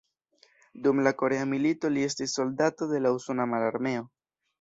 Dum la korea milito li estis soldato de la usona mararmeo.